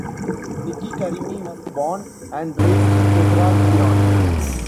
Niki Karimi was born and raised in Tehran, Iran.